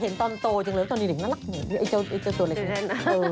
เห็นตอนโตจังเลยตอนใหญ่น่ารักเหมือนกัน